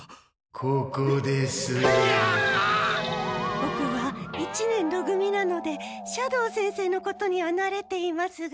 ボクは一年ろ組なので斜堂先生のことにはなれていますが。